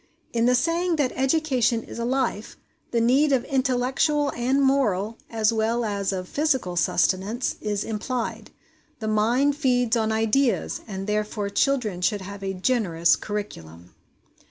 In the saying that EDUCATION IS A LIFE, the need of intellectual and moral as well as of physical sustenance is implied. The mind feeds on ideas, and therefore children should have a generous curriculum.